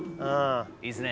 いいっすね。